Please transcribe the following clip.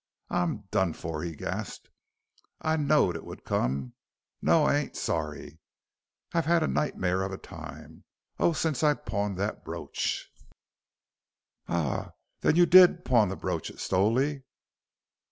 "I'm done for," he gasped. "I'd know'd it would come no I ain't sorry. I've had a nightmare of a time. Oh since I pawned that brooch " "Ah. Then you did pawn the brooch at Stowley?"